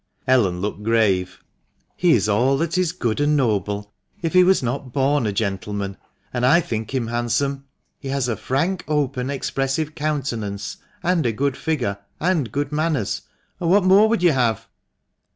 Ellen looked grave. " He is all that is good and noble, if he was not born a gentleman ; and 7 think him handsome. He has a frank, open, expressive countenance, and a good figure, and good manners, and what more would you have?"